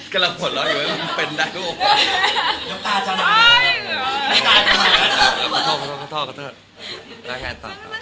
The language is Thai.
กำลังหัวเราะอยู่ไว้มันเป็นได้ด้วย